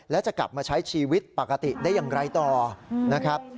และจะกลับมาใช้ชีวิตปกติได้อย่างไรต่อนะครับ